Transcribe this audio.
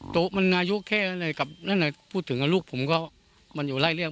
ตัวมันอายุแค่นั้นเลยกับพูดถึงลูกผมก็มันอยู่ไร้เลี้ยง